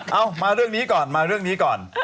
เอามาเรื่องนี้ก่อนมาเรื่องนี้ก่อน